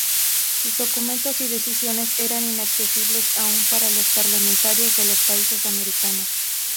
Sus documentos y decisiones eran inaccesibles aún para los parlamentarios de los países americanos.